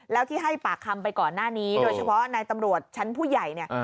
แล้วที่ให้ปากคำไปก่อนหน้านี้โดยเฉพาะนายตำรวจชั้นผู้ใหญ่เนี่ย